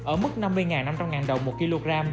ở mức năm mươi năm trăm linh đồng một kg